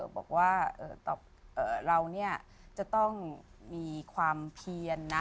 บอกว่าเราจะต้องมีความเพียนนะ